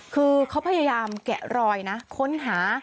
คือเขาพยายามแกะรอยนะค้นหา